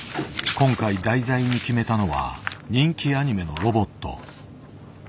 今回題材に決めたのは人気アニメのロボット。